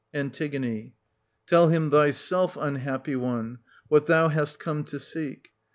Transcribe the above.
1280 An. Tell him thyself, unhappy one, what thou hast come to seek.